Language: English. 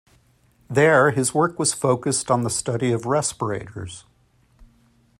There his work was focused on the study of respirators.